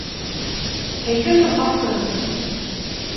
Һәйкәлдең авторы кем?